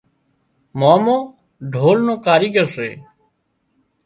مامو ڍول نو ڪاريڳر سي